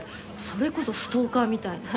それこそストーカーみたいに。